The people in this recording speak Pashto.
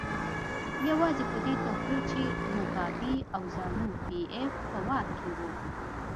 یوازې په دې توپیر چې موګابي او زانو پي ایف په واک کې وو.